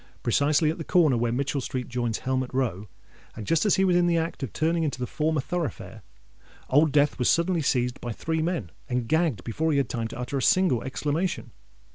Precisely at the corner where Mitchell Street joins Helmet Row, and just as he was in the act of turning into the former thoroughfare, Old Death was suddenly seized by three men, and gagged before he had time to utter a single exclamation.